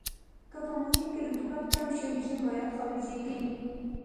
که په محیط کې رطوبت کم شي حجرې مایعات خارجيږي.